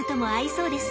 そうです。